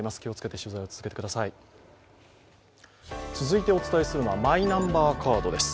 続いてお伝えするのはマイナンバーカードです。